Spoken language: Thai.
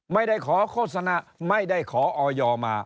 ไม่ได้ขอโฆษณาไม่ได้ขอออยมา